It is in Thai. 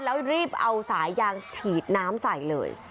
แล้วรีบเอาสายยางฉีดน้ำใส่เลย